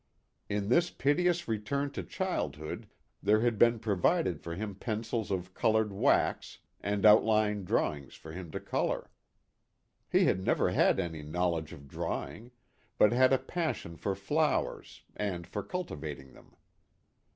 In this piteous return to childhood there had been provided for him pencils of colored wax and out line drawings for him to color. He had never had any knowledge of drawing, but had a passion for flowers, and for cultivating them.